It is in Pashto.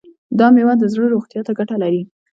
دا میوه د زړه روغتیا ته ګټه لري.